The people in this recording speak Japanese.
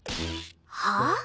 はあ？